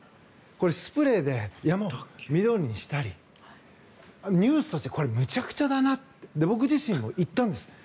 これ、スプレーで山を緑にしたりニュースとしてこれむちゃくちゃだなと僕自身も行ったんです。